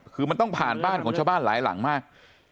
คือมันต้องผ่านบ้านของชาวบ้านหลายหลังมาก